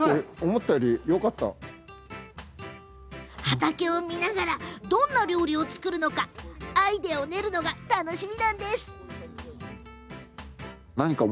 畑を見ながらどんな料理を作るかアイデアを練るのが楽しみ。